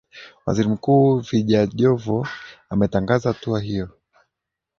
waziri mkuu vijajovo ametangaza hatua hiyo